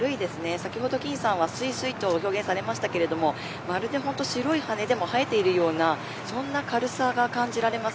先ほど金さんが、すいすいと表現されましたが、まるで本当に白い羽でも入っているようなそんな軽さが感じられます